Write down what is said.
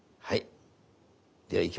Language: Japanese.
はい。